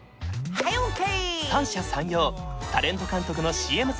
はいＯＫ！